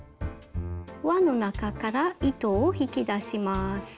輪の中から糸を引き出します。